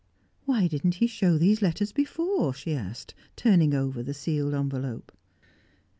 "Why didn't he show these letters before?" she asked, turning over the sealed envelope.